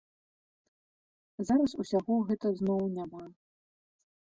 Зараз усяго гэта зноў няма.